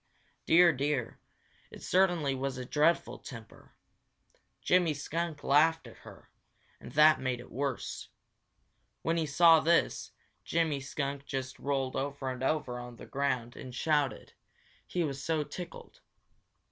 Dear, dear, it certainly was a dreadful temper! Jimmy Skunk laughed at her, and that made it worse. When he saw this, Jimmy Skunk just rolled over and over on the ground and shouted, he was so tickled.